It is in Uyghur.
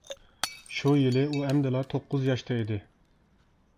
شۇ يىلى ئۇ ئەمدىلا توققۇز ياشتا ئىدى.